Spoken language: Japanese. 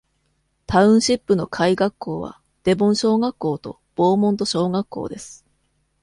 タウンシップの下位学校は、デボン小学校とボーモント小学校です。